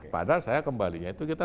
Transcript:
padahal saya kembalinya itu kita